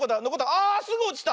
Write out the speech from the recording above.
あすぐおちた！